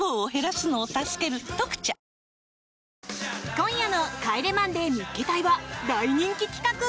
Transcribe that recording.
今夜の「帰れマンデー見っけ隊！！」は大人気企画。